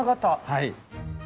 はい。